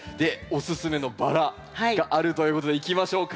おすすめのバラがあるということでいきましょうか。